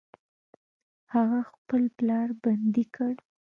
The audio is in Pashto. هغه خپل پلار بندي کړ.